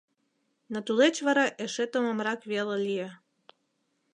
Но тулеч вара эше томамрак веле лие.